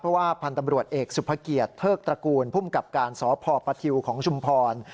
เพราะว่าพันธุ์ตำรวจเอกสุภเกียรติเทิกตระกูลภูมิกับการสพปทิวของชุมพร